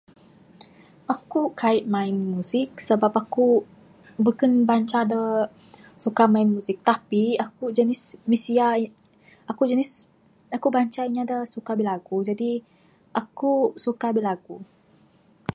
Aku kai main muzik sebab aku beken bancha dak suka main muzik tapi aku jenis mensia aku jenis aku bancha inya dak suka bilagu, jadi aku suka bilagu